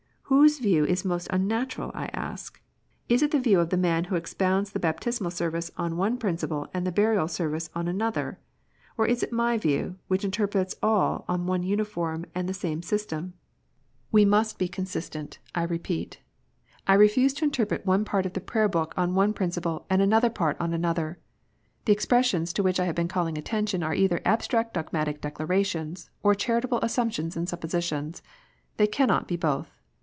Whose view is most unnatural, I ask ? Is it the view of the man who expounds the Baptismal Service on one principle, and the Burial Service on another ? or is it my view, which interprets all on one uniform and the same system 1 We must be consistent I repeat. I refuse to interpret one PRAYER BOOK STATEMENTS : REGENERATION. 143 part of the Prayer book on one principle, and another part on another. The expressions to which I have been calling atten tion are either abstract dogmatic declarations, or charitable assumptions and suppositions. They cannot be both.